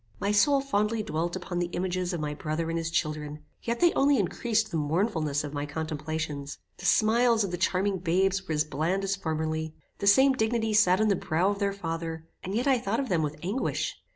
My soul fondly dwelt upon the images of my brother and his children, yet they only increased the mournfulness of my contemplations. The smiles of the charming babes were as bland as formerly. The same dignity sat on the brow of their father, and yet I thought of them with anguish.